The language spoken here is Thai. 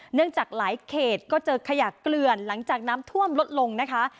จากหลายเขตก็เจอขยะเกลื่อนหลังจากน้ำท่วมลดลงนะคะ